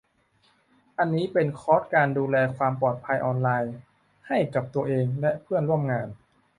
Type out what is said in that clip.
อันนี้เป็นคอร์สการดูแลความปลอดภัยออนไลน์ให้กับตัวเองและเพื่อนร่วมงาน